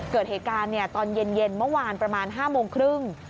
เกิดเหตุการณ์ตอนเย็นเมื่อวานประมาณ๕โมงครึ่ง